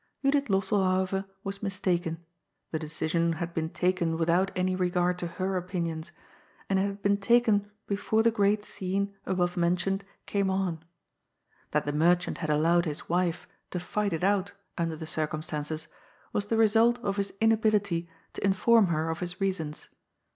Judith Lossell, however, was mistaken. The decision had been taken without any regard to her opinions, and it 74: GOD'S FOOL. had been taken before the great scene, aboye mentioned, came on. That the merchant had allowed his wife to fight it out) under the circumstances, was the result of his in ability to inform her of his reasons.